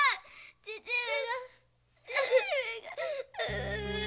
父上が父上が！